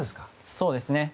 そうですね。